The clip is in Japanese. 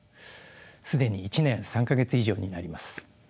既に１年３か月以上になります。